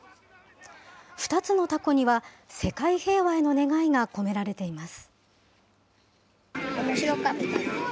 ２つのたこには、世界平和への願いが込められています。